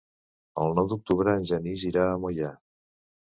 El nou d'octubre en Genís irà a Moià.